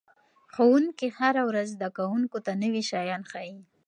ښوونکي هره ورځ زده کوونکو ته نوي شیان ښيي.